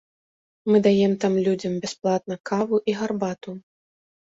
Мы даем там людзям бясплатна каву і гарбату.